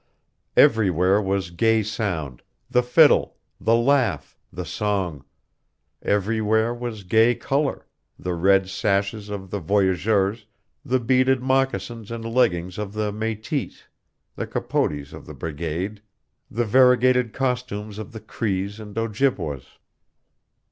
Everywhere was gay sound the fiddle, the laugh, the song; everywhere was gay color the red sashes of the voyageurs, the beaded moccasins and leggings of the mètis, the capotes of the brigade, the variegated costumes of the Crees and Ojibways.